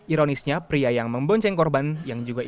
ironisnya pria yang membonceng korban